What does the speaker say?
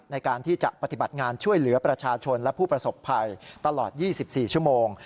ในการที่จะปฏิบัติงานช่วยเหลือประชาชนและผู้ประสบภัยตลอด๒๔ชั่วโมง